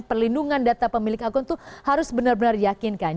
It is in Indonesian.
perlindungan data pemilik akun itu harus benar benar diyakinkan